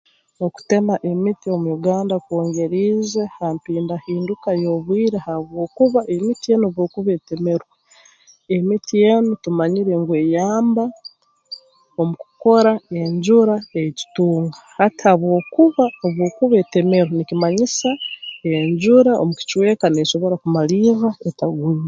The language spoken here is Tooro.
Okutema emiti omu Uganda kwongeriize ha mpindahinduka y'obwire habwokuba emiti enu obu ekuba etemerwe emiti enu tumanyire ngu eyamba omu kukora enjura ei tutunga hati habw'okuba obu ekuba etemerwe nikimanyisa enjura omu kicweka neesobora kumalirra etagwire